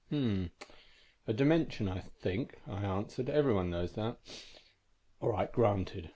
"A dimension," I answered. "Everybody knows that." "All right, granted.